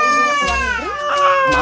bukannya ibu ke luar negeri